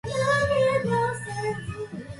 賞味期限は明日だ。